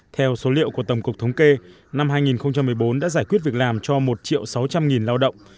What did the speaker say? theo số liệu của tổng cục thống kê năm hai nghìn một mươi bốn đã giải quyết việc làm cho một sáu trăm linh lao động